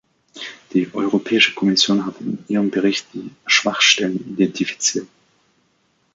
Die Europäische Kommission hat in ihrem Bericht die Schwachstellen identifiziert.